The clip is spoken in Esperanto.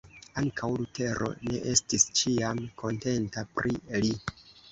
Ankaŭ Lutero ne estis ĉiam kontenta pri li.